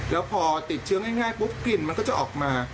แล้วพอติดเชื้อง่ายปุ๊บกลิ่นมันก็จะออกมา